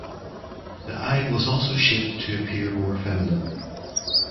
The eye was also shaped to appear more feminine.